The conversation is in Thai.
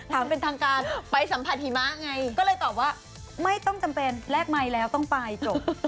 ถามเป็นทางการไปสัมผัสหิมะไงก็เลยตอบว่าไม่ต้องจำเป็นแลกไมค์แล้วต้องไปจบ